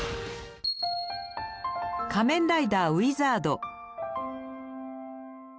「仮面ライダーウィザード」。